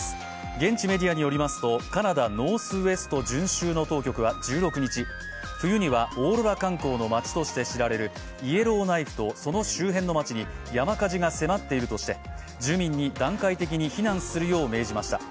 現地メディアによりますと、カナダ・ノースウエスト準州当局は１６日、冬にはオーロラ観光の町として知られるイエローナイフとその周辺の町に山火事が迫っているとして住民に段階的に避難するよう命じました。